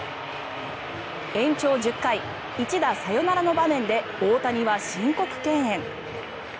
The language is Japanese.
延長１０回一打サヨナラの場面で大谷は申告敬遠。